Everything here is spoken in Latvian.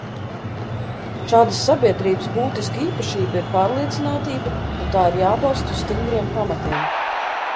Šādas sabiedrības būtiska īpašība ir pārliecinātība, un tā ir jābalsta uz stingriem pamatiem.